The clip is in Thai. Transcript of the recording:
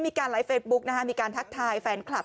มีการไลฟ์เฟซบุ๊กมีการทักทายแฟนคลับ